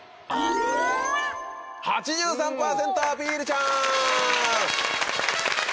８３％アピールちゃん！